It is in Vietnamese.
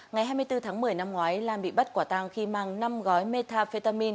ngày hai mươi bốn tháng một mươi năm ngoái lan bị bắt quả tàng khi mang năm gói metafetamin